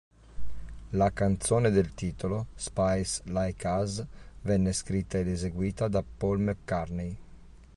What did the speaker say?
La canzone del titolo, "Spies Like Us", venne scritta ed eseguita da Paul McCartney.